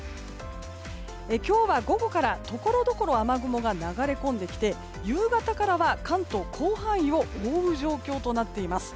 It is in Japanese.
今日は午後からところどころ雨雲が流れ込んできて夕方からは関東広範囲を覆う状況となっています。